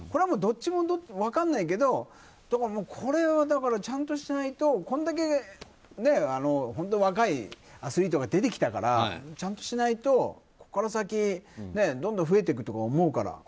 どっちも分からないけどだから、ちゃんとしないとこれだけ若いアスリートが出てきたからちゃんとしないと、ここから先どんどん増えていくと思うから。